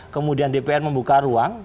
kemudian dpr membuka ruang